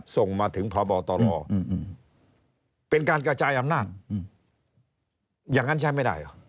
ส่งมาถึงพบตรเป็นการกระจายอำนาจอย่างนั้นใช้ไม่ได้เหรอ